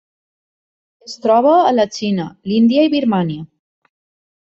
Es troba a la Xina, l'Índia i Birmània.